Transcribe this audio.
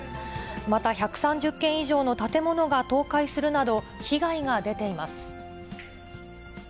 また、１３０軒以上の建物が倒壊するなど、被害が出ています。